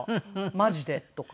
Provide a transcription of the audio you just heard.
「マジで」とか。